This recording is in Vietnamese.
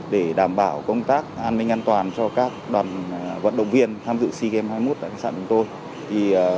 để đảm bảo công tác an ninh an toàn cho các đoàn vận động viên tham dự cgm hai mươi một tại khách sạn của tôi